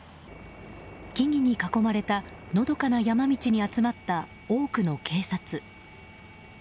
木々に囲まれたのどかな山道に集まった多くの警察。